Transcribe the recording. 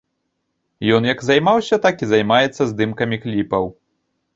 Ён як займаўся, так і займаецца здымкамі кліпаў.